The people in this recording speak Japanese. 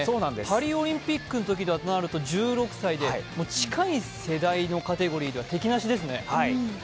パリオリンピックのときとなると１６歳でもう近い世代のカテゴリーでは敵なしですね。